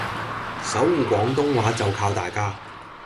守護廣東話就靠大家